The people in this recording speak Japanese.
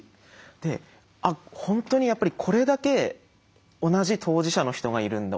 であっ本当にやっぱりこれだけ同じ当事者の人がいるんだ。